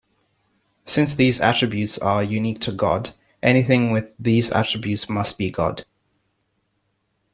Since these attributes are unique to God, anything with these attributes must be God.